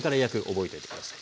覚えておいて下さい。